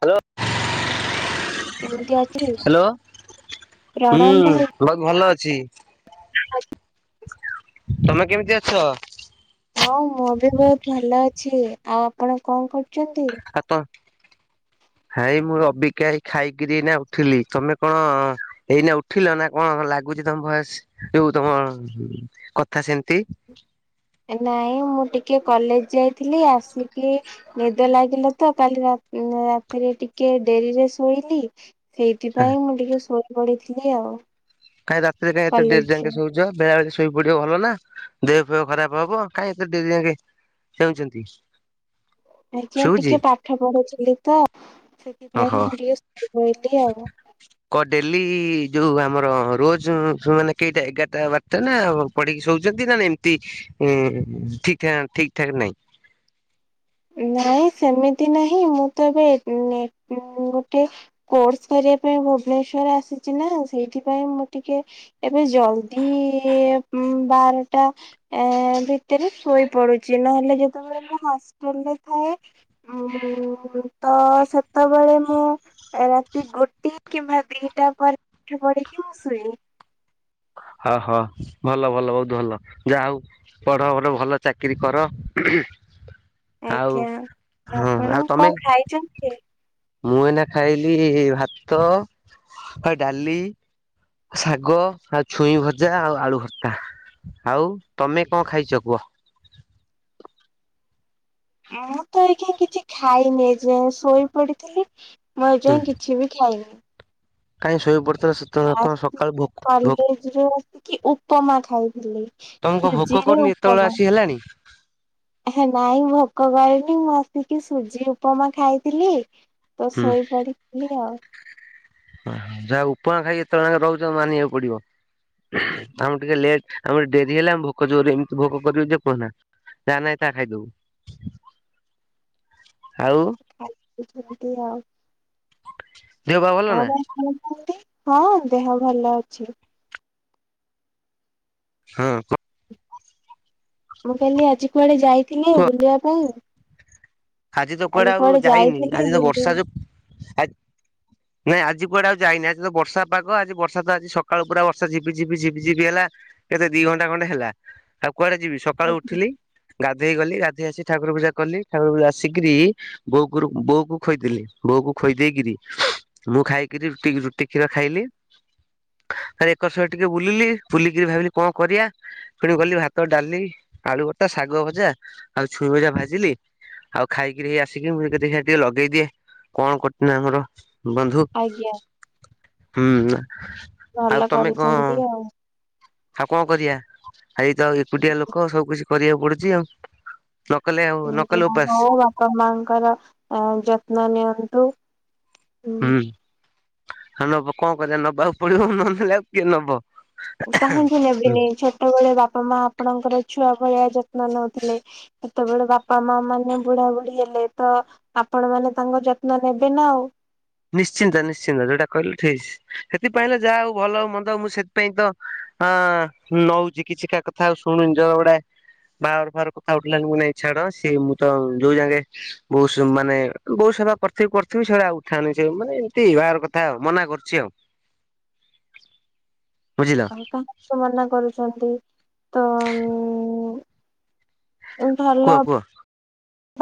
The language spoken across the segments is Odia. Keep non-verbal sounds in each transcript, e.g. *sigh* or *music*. ହାଲୋ କେମିତି ଅ ହ୍ୟାଲୋ ହୁଁ ଭାଇ। ଭଗ ଭଲ ଅଛି। *inaudible* ତମେ କେମିତି ଅଛ? ହଁ ମୁଁ ବି ବହୁତ ଭଲ ଅଛି ଆଉ ଆପଣ କଣ କରୁଚନ୍ତି? ହାତ ହେଇ ମୁଁ ରବିକା ଏଇ ଖାଇକିରି ଏନା ଉଠିଲି ତମେ କଣ ଏଇନା ଉଠିଲ ନା କଣ ଲାଗୁଛି ତମ ଭଏସ ଯୋଉ ତମ କଥା ସେମିତି ନାଇଁ ମୁଁ ଟିକେ କଲେଜ ଯାଇଥିଲି ଆସିକି ନିଦ ଲାଗିଲା ତ କାଲି ରା ରାତିରେ ଟିକେ ଡେରିରେ ଶୋଇଲି ସେଇଥିପାଇଁ ମୁଁ ଟିକେ ଶୋଇ ପଡିଥିଲି ଆଉ‌। କାଇଁ ରାତିରେ କାଇଁ ଏତେ ଡେରି ଯାଙ୍କେ ସୋ ଯ ବେଳା ବେଳି ଶୋଇ ପଡିବ ଭଲ ନା ଦେହ ଫେହ ଖରାପ ହବ କାଇଁ ଏତେ ଡେରି ଜାଙ୍କେ ଚେଉଚନ୍ତି? ଆଜ୍ଞା ଟିକିଏ ପାଠ ପଢୁଥିଲି ତ ସେ- ଅହ କ ଡେଲି ଯୋଉ ଆମର ରୋଜ ମାନେ କେଇଟା ଏଗାରଟା ବାର୍ଟା ନା ପଢିକି ଶୋଉଚନ୍ତି ନା ନାଇଁ ଏମିତି ଇଁ ଠିକ୍ ଠା ଠିକ୍ ଠାକ୍ ନାଇ। ନାଇଁ ସେମିତି ନାହିଁ ମୁଁ ତ ଏବେ ନେ ଗୋଟେ କୋର୍ସ କରିବା ପାଇଁ ଭୁବନେଶ୍ୱର ଆସିଛି ନା ସେଇଥିପାଇଁ ମୁଁ ଟିକେ ଏବେ ଜଲଦି ଉଁ ବାରଟା। ଏ ଭିତରେ ଶୋଇପଡୁଛି ନହେଲେ ଯେତେବେଳେ ମୁଁ ହଷ୍ଟେଲ ରେ ଥାଏ। ଉଁ ତ ସେତବେଳେ ମୁଁ ରାତି ଗୋଟିଏ କିମ୍ବା ଦିଟା ପରେ ପାଠ ପଢିକି ମୁ ଶୁଏ। ହ ହ ଭଲ ଭଲ ବହୁତ ଭଲ ଯାହା ହଉ। ପଢ ଭଲ ଭଲ ଚାକିରୀ କର। ଆଉ ଆଜ୍ଞା ହଁ ଆପଣ ଆଉ ତମେ କଣ ଖାଇଚନ୍ତି। ମୁଁ ଏନା ଖାଇଲି ଭାତ ଆ ଡାଲି। ଶାଗ ଆଉ ଛୁଇଁ ଭଜା ଆଉ ଆଳୁ ଭର୍ତ୍ତା। ଆଉ ତମେ କଣ ଖାଇଛ କୁଅ। ମୁଁ ତ ଏଖିଣା କିଛି ଖାଇନି ଏଯାଏଁ ଶୋଇ ପଡିଥିଲି। ମୁଁ ଏ ଯାଏଁ କିଛି ବି ଖାଇନି। କାଇଁ ଶୋଇ ପଡିଥିଲ ସେତେବେଳ ଆପଣ ସକାଳୁ ଭୋକ ଭୋକ ଯୋଉ କି ଉପମା ଖାଇଥିଲି ତମକୁ ଭୋକ ସୁଜିରେ କରୁନି ଏତେବେଳେ ଉପମା। ଆସି ହେଲାଣି। ହେ ନାଇଁ ଭୋକ କରିନି ମୁଁ ଆସିକି ସୁଜି ଉପମା ଖାଇଥିଲି। ତ ହୁଁ ଶୋଇ ପଡିଥିଲି ଆଉ। ଓ ଯାହା ଉପମା ଖାଇକି ଏତେଳେଜାଙ୍କେ ରହୁଚ ମାନିବାକୁ ପଡିବ। ଆମକୁ ଟିକେ ଲେଟଆମକୁ ଡେରି ହେଲା ଆମ ଭୋକ ଜୋରେ ଏମିତି ଭୋକ କରିବ ଯେ କୁହନା। ଜା ନାଇଁ ତା ଖାଇଦବୁ ଆଉ ଖାଇଚି ସେମିତି ଆଉ। ଦେହ ପା ଭଲ ନା ହଁ ଦେହ ଭଲ ଅଛି। ହଁ କ। ମୁଁ କହିଲି ଆଜି କୁଆଡେ ଯାଇଥିଲେ କୁହ ବୁଲିବା ପାଇଁ? ଆଜି ତ କୁଆଡେ ଆଉ ଯାଇନି ଆଜି ତ ବର୍ଷା ଯୋଗୁ ଆ ନାଇଁ ଆଜି କୁଆଡେ ଆଉ ଯାଇନି ଆଜି ତ ବର୍ଷା ପାଗ ଆଜି ବର୍ଷା ତ ଆଜି ସକାଳୁୁ ପୁରା ବର୍ଷା ଝିପି ଝିପି ଝିପି ଝିପି ହେଲା। ଏବେ ଦି ଘଣ୍ଟା ଖଣ୍ଡେ ହେଲା ଆଉ କୁଆଡେ ଯିବି। ସକାଳୁ ଆଜ୍ଞା ଉଠିଲି ଗାଧେଇ ଗଲି ଗାଧେଇ ଆସି ଠାକୁର ପୂଜାକଲି ଠାକୁର ପୂଜା ଆସିକିରି ବୋଉ କୁରୁ ବୋଉ କୁ ଖୋଇଦେଲି ବୋଉକୁ ଖୋଇ ଦେଇକିରି ମୁଁ ଖାଇକିରି ରୁଟି ରୁଟି କ୍ଷୀର ଖାଇଲି। ତାରେ ଏକର୍ ସେକର ଟିକେ ବୁଲିଲି ବୁଲିକିରି ଭାବିଲି କଣ କରିବା। ଫୁଣି ଗଲି ଭାତ ଡାଲି ଆଳୁ ଭରତା ଶାଗ ଭଜା ଆଉ ଛୁଇଁ ଭଜା ଭାଜିଲି। ଆଉ ଖାଇକିରି ହେଇ ଆସିକି ମୁଁ ଦେଖିଆ ଟିକେ ଲଗେଇଦିଏ କଣ କରୁଚନ୍ତି ଆମର। ବନ୍ଧୁ ଆଜ୍ଞା ହୁଁ ଆଁ। ଭଲ କରିଛନ୍ତି ଆଉ। ଆଉ କଣ କରିବା ଏଇ ତ ଏକୁଟିଆ ଲୋକ ସବୁ କିଛି କରିବାକୁ ପଡୁଛି ଆଉ ନ କଲେ ଆଉ ନକଲେ ଉପାସ। ହଉ ଆପଣ ମାଙ୍କର ଯତ୍ନ ନିଅନ୍ତୁ। ହୁଁ ହନବ କଣ କରିବା ନବାକୁ ପଡିବ ନ ନେଲେ ଆଉ କିଏ ନବ। କାହିଁକି ହୁଁ ନେବେନି ଛୋଟବେଳେ ବାପା ମା ଆପଣଙ୍କର ଛୁଆ ଭଳିଆ ଯତ୍ନ ନଉଥିଲେ। ଛୋଟବେଳେ ବାପା ମା ମାନେ ବୁଢା ବୁଢୀ ହେଲେ ତ ଆପଣ ମାନେ ତାଙ୍କ ଯତ୍ନ ନେବେ ନା ଆଉ। ନିଶ୍ଚିନ୍ତ ନିଶ୍ଚିନ୍ତ ଯୋଉଟା କହିଲେ ଫିସ୍। ସେଥିପାଇଁ ତ ଯାହା ହଉ ଭଲ ମନ୍ଦ ମୁଁ ସେଥିପାଇଁ ତ ଅ ନଉଚି କିଛି କା କଥା। ଆଉ ଶୁଣୁଚ ଗୁଡାଏ ବାହାଘର ଫାଗର କଥା ଉଠିଲାଣି ମୁଁ କହିଲି ନାଇଁ ଛାଡ଼ ସେ ମୁଁତ ଜଉଜାକେ *unintelligible* ବହୁ ମାନେ ବଉ ସେବା କରିଥିବି କରିଥିବିପ ସେଇଭଳିଆ ଆଉ। ମାନେ ଏମତି ବାହାଘର କଥା ଆଉ ମନା କରୁଚି ଆଉ ବୁଝିଲ। କାହିଁକିମନା କରୁଛନ୍ତି। ହୁଁ। କୁହ କୁହ।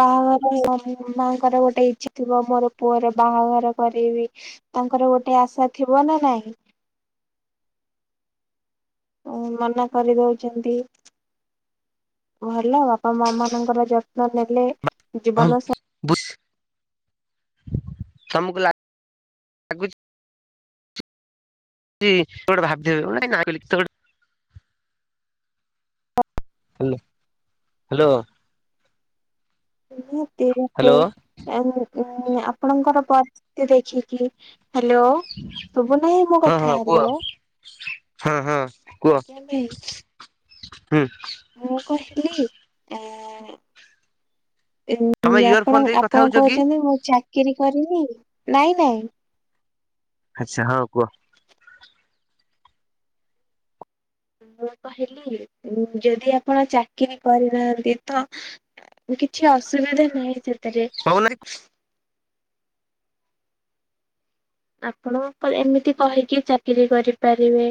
ବାହାଘର ମାଙ୍କର ଗୋଟେ ଇଚ୍ଛା ଥିବ ମୋର ପୁଅର ବାହାଘର କରେଇବି। ତାଙ୍କର ଗୋଟେ ଆଶା ଥିବ ନା ନାଇଁ। ଆଉ ମନା କରିଦଉଛନ୍ତି। ଓ ହ୍ୟାଲୋ ଆପଣ ମା ମାନଙ୍କର ଯତ୍ନ ନେଲେ। ଜୀବନ ହଁ ସାଥି ତମକୁ ଲାଗ *inaudible* *inaudible* ଟେ ଭାବିି ଭାବି ଗୋଟେ *unintelligible* ହ୍ୟାଲୋ ହ୍ୟାଲୋ। ହତିଟେ ହ୍ୟାଲୋ *inaudible* ଆପଣଙ୍କର ପରିସ୍ଥିତି ଦେଖିକି ହ୍ୟାଲୋ। ଶୁଭୁ ନାହିଁ ମୋ ହଁ ହଁ କଥା କୁହ ହ୍ୟାଲୋ ହଁ ହଁ କୁହ ଆଜ୍ଞା ଭାଇ। ହୁଁ। ମୁଁ କହିଲିଏଁ। ଉଁ ତମେ ଇୟର ଫୋନ ଆପଣ ଦେଇ କଥା ଆପଣ ହଉଛ କି? କହୁଛନ୍ତି ମୁଁ ଚାକିରି କରିନି ନାଇଁ ନାଇଁ। ଆଚ୍ଛା ହଉ କୁହ। ମୁଁ କହିଲି ଯଦି ଆପଣ ଚାକିରୀ କରିନାହାନ୍ତି ତ। କିଛି ଅସୁବିଧା ନାହିଁ ସେଥିରେ। କହୁନାହାନ୍ତି ଆପଣ ଏମିତି କହିକି ଚାକିରି କରିପାରିବେ।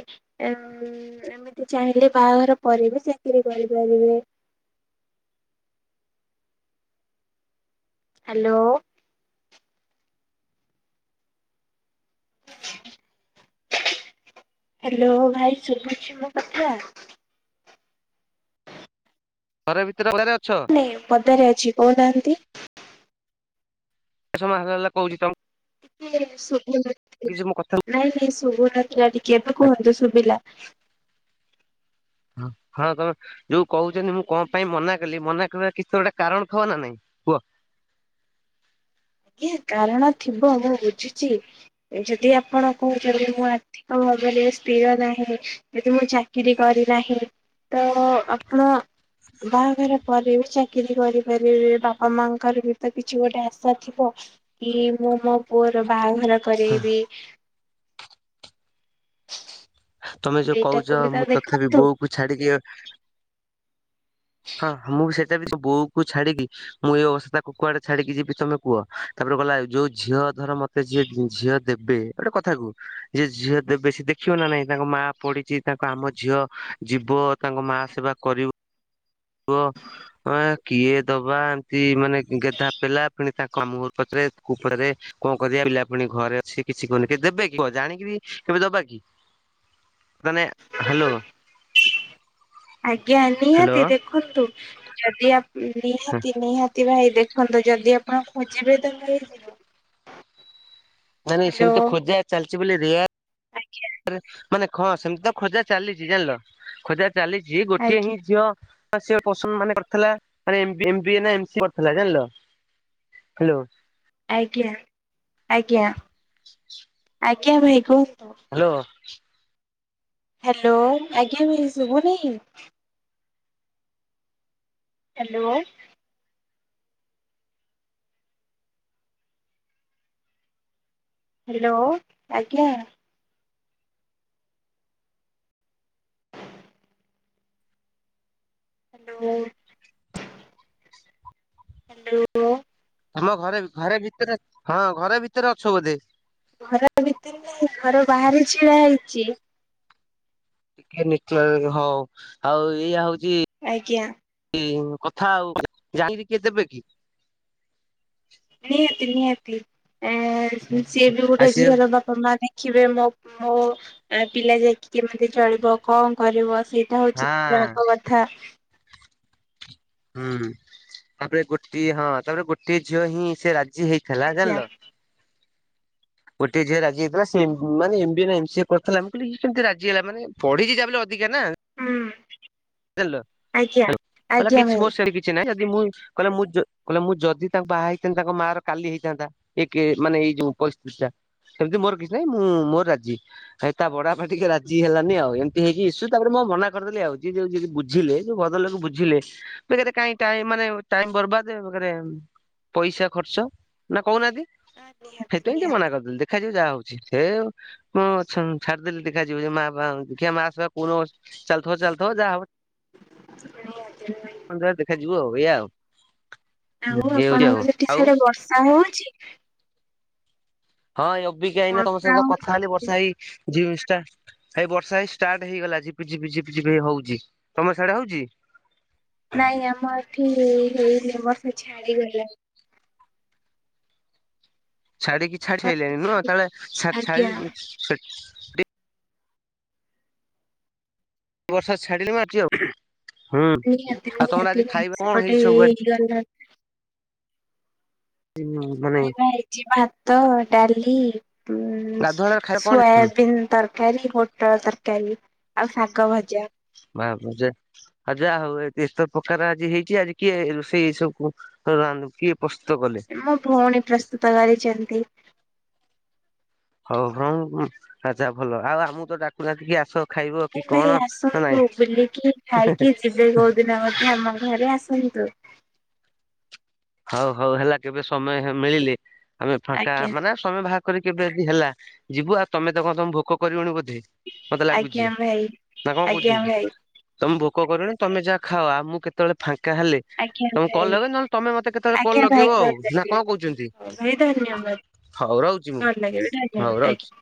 ଏମିତି ଚାହିଁଲେ ବାହାଘର ପରେ ବି ଚାକିରରି କରିପାରିବେ। ହ୍ୟାଲୋ। ହ୍ୟାଲୋ ଭାଇ ଶଭୁଛି ମୋ କଥା। ଘର ଭିତରେ ବୋଧେ ଅଛ। ହେ ପଦାରେ ଅଛି କହୁନାହାନ୍ତି। ଏତେ ସମୟ ହାଲୋ ହାଲୋ ହା ଲା ହ କହୁଛି ତମ। ଏ ଶୁଭୁନି। କିଛି ମୋ କଥାକୁ। ନାଇଁ ନାଇଁ ଶୁଭୁନଥିଲା ଟିକେ ତ ଏବେ କୁହନ୍ତୁ ଶୁଭିଲା। ହଁ ହଁ ଯୋଉ କହୁଛନ୍ତି ମୁଁ କଣ ପାଇଁ ମନା କଲି ମନା କରିବାର କିଛି ଗୋଟେ କାରଣ ଥିବ ନା ନାଇଁ। କୁହ? ଆଜ୍ଞା କାରଣ ଥିବ ମୁଁ ବୁଝୁଛି ଯଦି ଆପଣ କହୁଛନ୍ତି ମୁଁ। ଭାବରେ ସ୍ଥିର ନାହିଁ ଯଦି ମୁଁ ଚାକିରି କରିନାହିଁ। ତ ଆପଣ ବାହାଘର। ପରେ ବି ଚାକିରିୀ କରିପାରିବେ ବାପା ମାଙ୍କର ବି ତ କିଛି ଗୋଟେ ଆଶା ଥିବ। କି ମୁଁ ମୋ ପୁଅର ବାହାଘର କରେଇବି। ତମେ ଯୋଉ ସେଇଟାକୁ କହୁଛ ବି ତ ମୁଁ ତଥାପି ଦେଖନ୍ତୁ। ବୋଉ କୁ ଛାଡିକି ଆଉ। ହଁ ମୁଁ ସେଠି। ସେଠି ବୋଉ କୁ ଛାଡ଼ିକି। ମୁଁ ଏଇ ଅବସ୍ଥାରେ ତାକୁ କୁଆଡେ ଛାଡିକି ଯିବି ତମେ କୁହ ତାପରେ ଗଲା ଯୋଉ ଝିଅ ଧର ମତେ। ସେ ଯିଏ ଝିଅ ଦେବେ ଗୋଟେ କଥା କୁ। ଯେ ଝିଅ ଦେବେ ସିଏ ଦେଖିବେ ନା ନାଇଁ ତାଙ୍କ ମା ପଡିଛି ତାଙ୍କ ଆମ ଝିଅ ଯିବ। ତାଙ୍କ ମା ସେବା କରିବ। ବ। ଅ ଏ କିଏ ଦବା ଏମତି ମାନେ ଗେଧା ପେଲା ପୁଣି ତାଙ୍କ ମାମୁଁ ଘର ପାଖରେ କୁପରେ। କଣ କରିବା ପିଲା ପୁଣି ଘରେ ଅଛି କିଛି କରୁନି କିଏ ଦେବେ କି କୁହ ଜାଣିକିରି କେବେ ଦବା କି। ମାନେ ହ୍ୟାଲୋ। ଆଜ୍ଞା ହ୍ୟାଲୋ ନିହାତି ଦେଖନ୍ତୁ ଯଦି ଆପ ନିହାତି ନିହାତି। ଭାଇ ଦେଖନ୍ତୁ ଯଦି ଆପଣ ଖୋଜିବେ ତାହଲେ ମିଳିଯିବ। ନାଇ ନାଇଁ ହ୍ୟାଲୋ ସେମିତି ତ ଖୋଜା ଚାଲିଛି ବୋଲି ଆଜ୍ଞା ରେଆର ମାନେ ହଁ। ସେମିତି ତ ଖୋଜା ଚାଲିଛି ଜାଣିଲ ଖୋଜା ଚାଲିଛି ଗୋଟିଏ ହିଁ ଆଜ୍ଞା ଝିଅ। ସିଏ ପସନ୍ଦ ମାନେ କରିଥିଲା ମାନେ ଏମ୍ ଏମ୍ ବି ଏ ନା ଏମ୍ ସି ଏ କରିଥିଲା ଜାଣିଲ ହାଲୋ। ଆଜ୍ଞା ଆଜ୍ଞା। *inaudible* ଆଜ୍ଞା ଭାଇ କୁହୁନ୍ତୁ। ହାଲୋ। ହ୍ୟାଲୋ ଆଜ୍ଞା ଶୁଭୁନେଇ। ହ୍ୟାଲୋ। ହାଲୋ ଆଜ୍ଞା। ହାଲୋ। ଉଁ। ତମ ଘରେ ଘରେ ଭିତରେ ହଁ ଘରେ ଭିତରେ ଅଛ ବୋଧେ। ଘର ଭିତରେ ନାଇଁ ଘର ବାହାରେ ଛିଡା ହେଇଛି। ଟିକେ ନେଟୱର୍କ ହଁ ଆଉ ଏଇଆ ହଉଛି। ଆଜ୍ଞା। କି କଥା ଆଉ ଜାଣିକିରି କିଏ ଦେବେ କି। ନିହାତି ନିହାତି ଏ ସିଏ ବି ଆଉ ଗୋଟେ ସେ ଝିଅର ବାପା। ମା ଦେଖିବେ ମୋ ମୋ ପିଲା ଯାଇକି କେମିତି ଚଳିବ କଣ କରିବ ସେଇ। ଏଟା ହଉଛି ହଁ ତାଙ୍କ କଥା। ହୁଁ ତାପରେ ଗୋଟିଏ ହଁ ତାପରେ ଗୋଟିଏ ଝିଅ ହିଁ ସେ ରାଜି ହେଇଥିଲା ଆଜ୍ଞା ଜାଣିଲ। ଗୋଟିଏ ଝିଅ ରାଜି ହେଇଥିଲା ‌ସିଏ ମାନେ ଏମ୍ ବି ଏ ନା ଏମ୍ ସି ଏ କରିଥିଲା ମୁଁ କହିଲି ଇଏ କେମତି ରାଜି ହେଲା ମାନେ ପଢିଚି ଯା ବି ହେଲେ ଅଧିକା ନା। ହୁଁ ଜାଣିଲ ଆଜ୍ଞା କହିଲା ଆଜ୍ଞା କିଛି ମୋ ଭାଇ। ସେମିତି କିଛି ନାଇଁ ଯଦି ମୁଁ କହିଲା ମୁଁ ଯ କହିଲା ମୁଁ ଯଦି ତାଙ୍କ ବାହା ହେଇଥାନ୍ତି ତାଙ୍କ ମା ର କାଲି ହେଇଥାନ୍ତା ଏ କେ ମାନେ ଏଇ ଯୋଉ ପରିସ୍ଥିତି ଟା ସେମିତି ମୋର କିଛି ନାହିଁ ମୁଁ ମୋର ରାଜି। ଭାଇ ତା ବଡ ବାପା ଟିକେ ରାଜି ହେଲାନି ଆଉ ଏମିତି ହେଇକି ଇସୁ ତାପରେ ମୁଁ ଆଉ ମନା କରିଦେଲି ଆଉ। ଯିଏ ଯୋଉ ଯଦି ବୁଝିଲେ ଯୋଉ ଭଦ୍ରଲୋକ ବୁଝିଲେ। ବେକାରେ କାହିଁ ଟାଇମ ମାନେ ଟାଇମ ବରବାଦ ବେକାରେ ମ୍। ପଇସା ଖର୍ଚ୍ଚ ନା କହୁନାହାନ୍ତି ନିହାତି ସେଇଥିପାଇଁ ଟିକେ ନିହାତି ମନା କରିଦେଲି ଦେଖାଯାଉ ଯାହା ହଉଛି। ହେ ମୁଁ ଛ ଛାଡିଦେଲି ଦେଖା ଯିବ ଯେ ମା ବାପା ଦେଖିବା ମା ସେବା କୋଉଦିନ ଚାଲୁଥିବ ଚାଲ। ଥିବ ଯା ହବ। *unintelligible* କଣ ଯା ହେଲେ ଦେଖାଯିବ ଏଇଆ ଆଉ। ଆଉ ଇଏ ହଉଛି ଆପଣଙ୍କ ସେଠି ଆଉ ଆଉ ସିଆଡେ ବର୍ଷା ହଉଛି। ହଁ ଏଇ ଅବିକା ଏଇନା ତମ ବର୍ଷା ସହିତ କଥା ହଉଛି ହେଲି ବର୍ଷା ହେଇ ଜି ଷ୍ଟା। ହେଇ ବର୍ଷା ହେଇ ଷ୍ଟାର୍ଟ ହେଇଗଲା ଝିପି ଝିପି ଝିପି ଝିପି ହେଇ ହଉଛି ତମର ସାଡେ ହଉଛି। ନାଇଁ ଆମର ଏଠି ହେଇନି ବର୍ଷା ଛାଡିଗଲାଣି। ଛାଡ଼ିକି ଛାଡ଼ି ସାରିଲେଣି ନୁହଁ ସେତେବେଳେ ଛା ଆଜ୍ଞା ଛା ବର୍ଷା ଛାଡ଼ିଲି ମୁଁ ଆଉଚି ଆଉ। ହୁଁ ନିହାତି ଆଉ ତମର ଆଜି ନିହାତି ଖାଇବା କଣ ଗୋଟେ ହେଇଛି ସବୁ ଆଜି? ଇରା *unintelligible* ଉଁ ମାନେ ଜି ଭାତ ଡ଼ାଲି ଉଁ ଗାଧୁଆଳ ଖାଇବା କଣ ହୁଁ ସୋୟାବିିନ ତର ତରକାରୀ ପୋଟଳ ତରକାରୀ ଆଉ ଶାଗ ଭଜା। ମା ପୂଜା ଆଁ ଯାହଉ ଏ ଏତ ପ୍ରକାର ଆଜି ହେଇଚି ଆଜି କିଏ ରୋଷେଇ ସବୁ ତ ରାନୁ କିଏ ପ୍ରସ୍ତୁତ କଲେ? ମୋ ଭଉଣୀ ପ୍ରସ୍ତୁତ କରିଛନ୍ତି। ହଉ ହଁ ଆ ଆଛା ଭଲ ଆଉ ଆମକୁତ ଡାକୁନାହାନ୍ତି କି ଆସ ଖାଇବ କି ଭାଇ କଣ ଭାଇ ନା ନାଇଁ ଆସନ୍ତୁ ବୁଲିକି ଖାଇକି ଯିବେ କୋଉ ଦିନ ମଧ୍ୟ ଆମ ଘରେ ଆସନ୍ତୁ। ହଉ ହଉ ହେଲା କେବେ ସମୟ ହଁ ମିଳିଲେ ଆମେ ଫାଙ୍କା ଆଜ୍ଞା ମାନେ ସମୟ ବାହାର କରି କେବେ ଯଦି ହେଲା ଯିବୁ ଆଉ ତମେ ତ କଣ ତମେ ଭୋକ କରିବଣି ବୋଧେ? ମତେ ଲାଗୁଚି ଆଜ୍ଞା ଭାଇ ନା କଣ ଆଜ୍ଞା କହୁଚନ୍ତି। ଭାଇ ତମେ ଭୋକ କରିବଣି ତମେ ଯାହା ଖାଅ ଆମୁଁକୁ କେତେବେଳେ ଫାଙ୍କା ହେଲେ ଆଜ୍ଞା ତମକୁ କଲ୍ ଭାଇ ଲଗେଇବି ନହେଲେ ତମେ ମତେ ଯେତେଳେ କଲ୍ ଆଜ୍ଞା ଭାଇ ଲଗେଇବ କଲ୍ ନାକଁ ଲଗେଇବେ କହୁଚନ୍ତି? ହଉ ଭାଇ ଧନ୍ୟବାଦ ହଉ ରହୁଚି ମୁଁ କଲ୍ ଲଗେଇବେ ଧନ୍ୟବାଦ ହଉ ଆଜ୍ଞା ରହୁଚି।